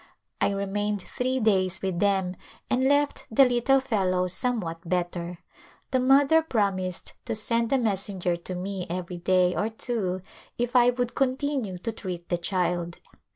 I remained three days with them and left the little fellow somewhat better. The mother promised to send a messenger to me every day or two \{ I would continue to treat the child.